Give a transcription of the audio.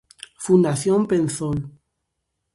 Fundación Penzol.